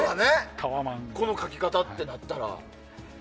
この書き方となったら。